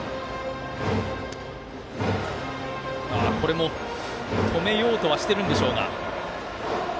これも止めようとはしてるんでしょうが。